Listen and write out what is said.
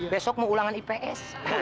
besok mau ulangan ips